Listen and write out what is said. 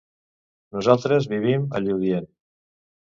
Nosaltres vivim a Lludient.